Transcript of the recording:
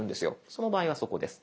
その場合はそこです。